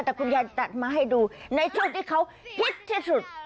แต่คุณยายตัดมาให้ดูในช่วงที่เขาฮิตที่สุด